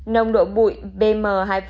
nông độ bụi bm hai năm